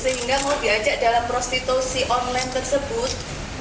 sehingga mau diajak dalam prostitusi online tersebut